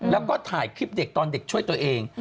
แล้วก็ถ่ายคลิปเด็กตอนเด็กช่วยตัวเอง